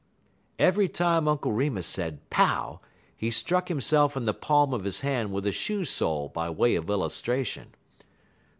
'" Every time Uncle Remus said "Pow!" he struck himself in the palm of his hand with a shoe sole by way of illustration.